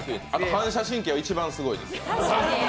反射神経は一番すごいです。